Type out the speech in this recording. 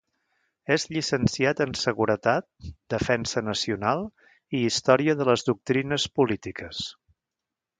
És llicenciat en Seguretat, Defensa Nacional i Història de les Doctrines Polítiques.